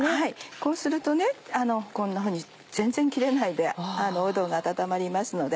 こうするとねこんなふうに全然切れないでうどんが温まりますので。